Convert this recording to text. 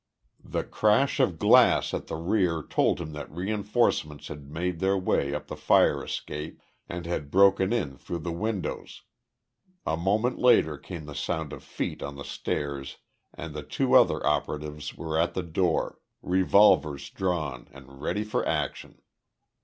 The crash of glass at the rear told him that reinforcements had made their way up the fire escape and had broken in through the window. A moment later came the sound of feet on the stairs and the other two operatives were at the door, revolvers drawn and ready for action.